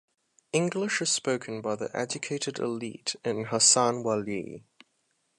English is spoken by the educated elite in Hassan Wali.